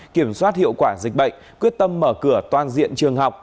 kiểm soát hiệu quả dịch bệnh quyết tâm mở cửa toàn diện trường học